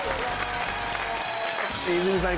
泉さん